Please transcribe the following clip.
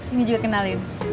ini juga kenalin